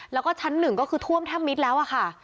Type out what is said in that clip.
แล้วก็ชั้นหนึ่งก็คือท่วมแทบมิตรแล้วอะค่ะ